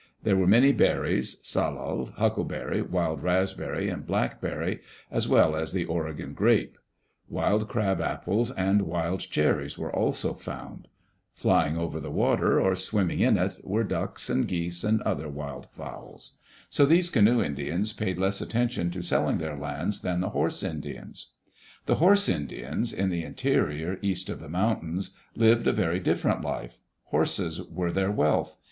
There were many berries — salal, huckleberry, wild raspberry, and blackberry, as well as the Oregon grape; wild crab apples and wild cherries were also found. Flying over the water, or swimming in it, were ducks and geese and [aos] Digitized by CjOOQ IC EARLY DAYS IN OLD OREGON other wild fowls. So these canoe Indians paid less attention to selling their lands than the horse Indians. The horse Indians, in the interior, east of the mountains, lived a very different life. Horses were their wealth.